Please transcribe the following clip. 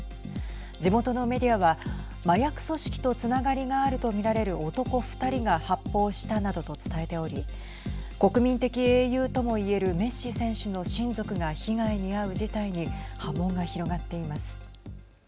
地元のメディアは麻薬組織とつながりがあると見られる男２人が発砲したなどと伝えており国民的英雄とも言えるメッシ選手の親族が被害に遭う事態に波紋が広がっています。